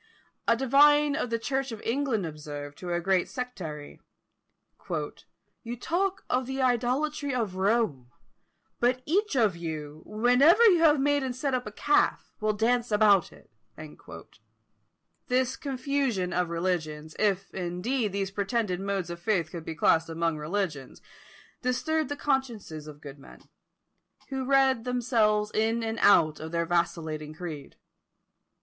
A divine of the Church of England observed to a great sectary, "You talk of the idolatry of Rome: but each of you, whenever you have made and set up a calf, will dance about it." This confusion of religions, if, indeed, these pretended modes of faith could be classed among religions, disturbed the consciences of good men, who read themselves in and out of their vacillating creed.